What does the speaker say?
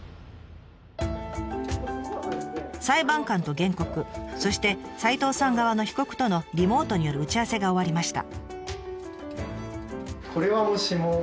裁判官と原告そして齋藤さん側の被告とのリモートによる打ち合わせが終わりました。